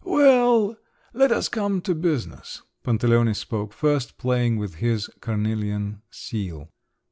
"Well? Let us come to business!" Pantaleone spoke first, playing with his cornelian seal.